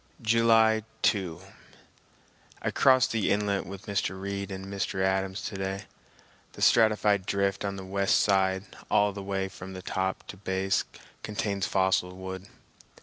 July 2. I crossed the inlet with Mr. Reid and Mr. Adams to day. The stratified drift on the west side all the way from top to base contains fossil wood.